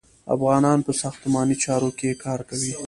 افغانان په ساختماني چارو کې کار کوي.